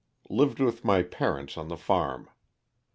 Lived with my parents on the farm.